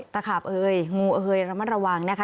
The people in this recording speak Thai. ตะขาบเอยงูเอยระมัดระวังนะคะ